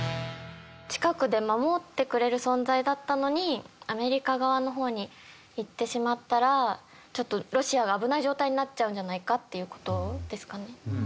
近くで守ってくれる存在だったのにアメリカ側の方に行ってしまったらロシアが危ない状態になっちゃうんじゃないかっていう事ですかね？